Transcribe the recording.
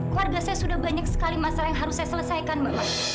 keluarga saya sudah banyak sekali masalah yang harus saya selesaikan mbak